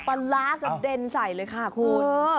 ปันลากแล้วเด้นใส่เลยค่ะคุณ